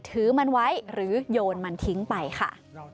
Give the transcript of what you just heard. ถือมันไว้หรือโยนมันทิ้งไปค่ะ